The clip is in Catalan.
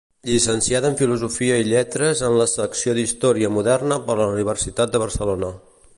Llicenciada en Filosofia i Lletres en la secció d'història Moderna per la Universitat de Barcelona.